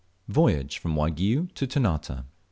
VOYAGE FROM WAIGIOU TO TERNATE.